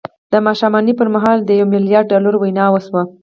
د ماښامنۍ پر مهال د یوه میلیارد ډالرو وینا وشوه